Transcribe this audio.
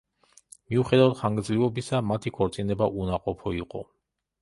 მიუხედავად ხანგრძლივობისა, მათი ქორწინება უნაყოფო იყო.